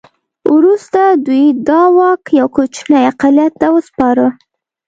وروسته دوی دا واک یو کوچني اقلیت ته وسپاره.